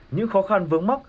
những khó khăn vướng móc